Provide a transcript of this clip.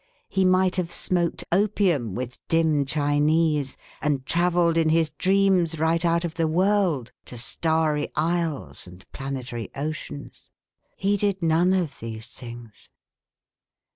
He might have smoked opium with dim Chinese and travelled in his dreams right out of the world to starry isles and planetary oceans. He did none of these things.